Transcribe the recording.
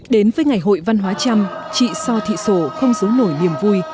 đến với ngày hội văn hóa trâm trị so thị sổ không giống nổi niềm vui